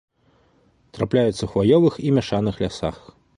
Трапляюцца ў хваёвых і мяшаных лясах.